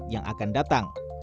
yang akan datang